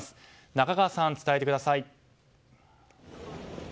中川さん、伝えてください。